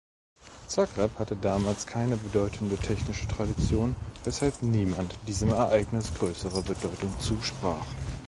Zagreb hatte damals keine bedeutende technische Tradition, weshalb niemand diesem Ereignis größere Bedeutung zusprach.